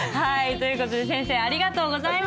という事で先生ありがとうございました。